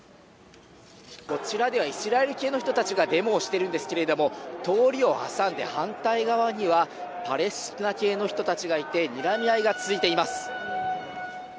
こちらではイスラエル系の人たちがデモをしてるんですけれども、通りを挟んで反対側にはパレスチナ系の人たちがいて、にらみ合いが続いています。